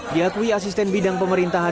diakui asisten bidang pemerintahan